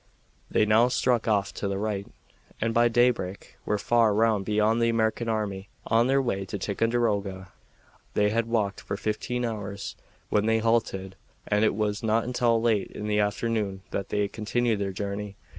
They now struck off to the right, and by daybreak were far round beyond the American army, on their way to Ticonderoga. They had walked for fifteen hours when they halted, and it was not until late in the afternoon that they continued their journey.